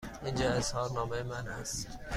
اینجا اظهارنامه من است.